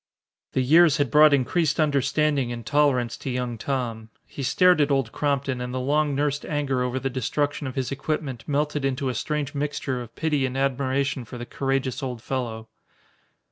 The years had brought increased understanding and tolerance to young Tom. He stared at Old Crompton and the long nursed anger over the destruction of his equipment melted into a strange mixture of pity and admiration for the courageous old fellow.